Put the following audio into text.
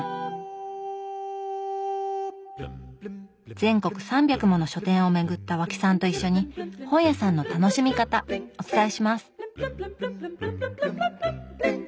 全国３００もの書店を巡った和氣さんと一緒に本屋さんの楽しみ方お伝えします！